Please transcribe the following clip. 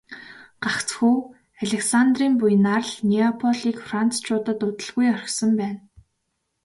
Гагцхүү Александрын буянаар л Неаполийг францчууд удалгүй орхисон байна.